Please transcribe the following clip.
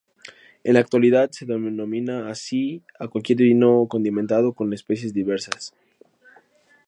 En la actualidad se denomina así a cualquier vino condimentado con especies diversas.